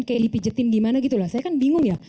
kayak dipijetin di mana gitu saya kan bingung ya